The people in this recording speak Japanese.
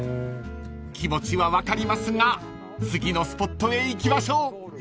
［気持ちは分かりますが次のスポットへ行きましょう］